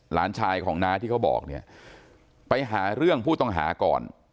หลานชายของน้าที่เขาบอกเนี่ยไปหาเรื่องผู้ต้องหาก่อน